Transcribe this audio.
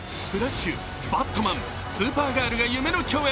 フラッシュ、バットマン、スーパーガールが夢の共演。